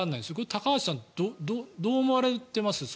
高橋さん、どう思われてます？